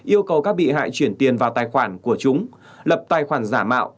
yêu cầu các bị hại chuyển tiền vào tài khoản của chúng lập tài khoản giả mạo